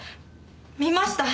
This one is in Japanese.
見ました！